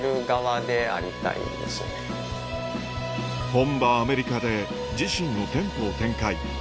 本場アメリカで自身の店舗を展開